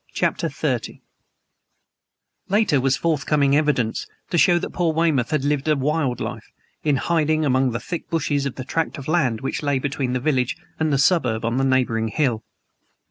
CHAPTER XXX LATER was forthcoming evidence to show that poor Weymouth had lived a wild life, in hiding among the thick bushes of the tract of land which lay between the village and the suburb on the neighboring hill.